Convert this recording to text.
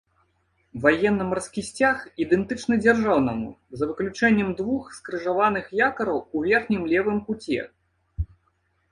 Ваенна-марскі сцяг ідэнтычны дзяржаўнаму, за выключэннем двух скрыжаваных якараў у верхнім левым куце.